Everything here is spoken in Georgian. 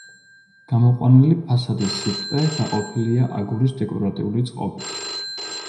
გამოყვანილი ფასადის სიბრტყე დაყოფილია აგურის დეკორატიული წყობით.